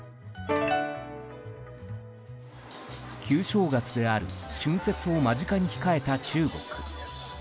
旧正月である春節を間近に控えた中国。